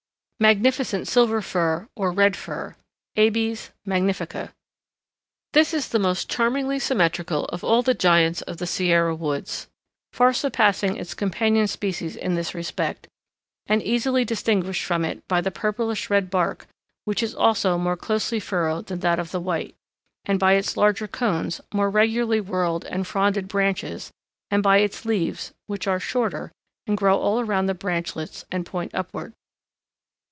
MAGNIFICENT SILVER FIR, OR RED FIR (Abies magnifica) This is the most charmingly symmetrical of all the giants of the Sierra woods, far surpassing its companion species in this respect, and easily distinguished from it by the purplish red bark, which is also more closely furrowed than that of the white, and by its larger cones, more regularly whorled and fronded branches, and by its leaves, which are shorter, and grow all around the branchlets and point upward.